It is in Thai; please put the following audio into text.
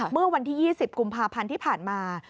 เมื่อวันที่๒๐กุมภาพันธ์ที่ผ่านมา